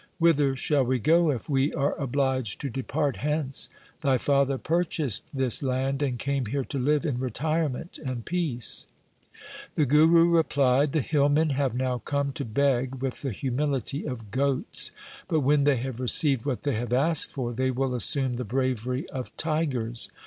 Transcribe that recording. Whither shall we go if we are obliged to depart hence ? Thy father purchased this land, and came here to live in retirement and peace.' The Guru replied :' The hillmen have now come to beg with the humility of goats, but when they have received what they have asked for, they will assume the bravery of tigers.